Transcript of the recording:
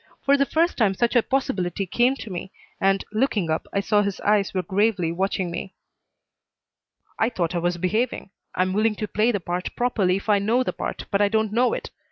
For the first time such a possibility came to me, and, looking up, I saw his eyes were gravely watching me. "I thought I was behaving. I'm willing to play the part properly if I know the part, but I don't know it.